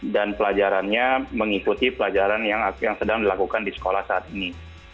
dan pelajarannya mengikuti pelajaran yang sedang dilakukan di sekolah saat ini